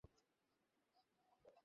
ঠান্ডা লাগাই ভালো।